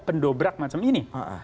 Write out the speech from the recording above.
pendobrak macam ini